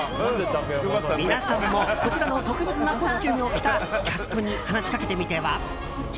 皆さんも、こちらの特別なコスチュームを着たキャストに話しかけてみては？